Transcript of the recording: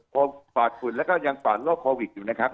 ปอดภูติและยังปอดโลกโปรวิคอยู่นะครับ